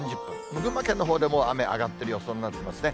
群馬県のほうでも雨上がっている予想になってますね。